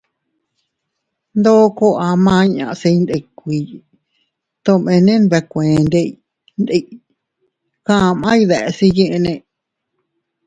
Ndoko ama inña se iydikuy tomene nbekuendey ndi kaʼmay deʼes iyyinne.